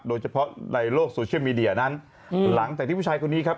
โดยเฉพาะในโลกโซเชียลมีเดียนั้นหลังจากที่ผู้ชายคนนี้ครับ